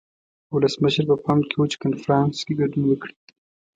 ولسمشر په پام کې و چې کنفرانس کې ګډون وکړي.